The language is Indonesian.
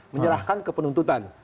menyerahkan ke penuntutan